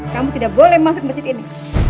kamu tidak boleh masuk masjid ini